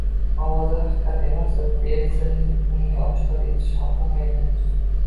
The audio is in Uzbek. “Ovoza haqiqat emasdur”, deya sirni unga oshkor etishni xohlamaydi.